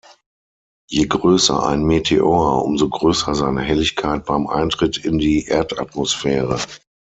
Je größer ein Meteor, umso größer seine Helligkeit beim Eintritt in die Erdatmosphäre.